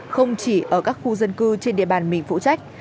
không chỉ ở các khu dân cư trên địa bàn mình phụ trách